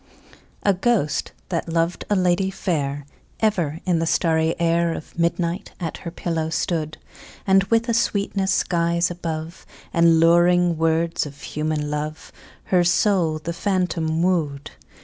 A ghost, that loved a lady fair, Ever in the starry air Of midnight at her pillow stood; And, with a sweetness skies above The luring words of human love, Her soul the phantom wooed.